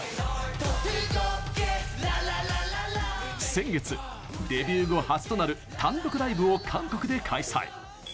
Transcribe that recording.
先月デビュー後、初となる単独ライブを韓国で開催。